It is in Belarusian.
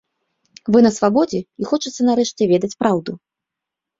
Вы на свабодзе, і хочацца нарэшце ведаць праўду!